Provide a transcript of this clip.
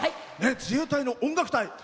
自衛隊の音楽隊。